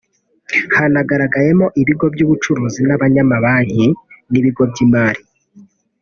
Hanagaragayemo ibigo by’ubucuruzi n’abanyamabanki n’ibigo by’imari